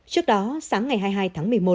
trước đó sáng ngày hai mươi hai tháng một mươi một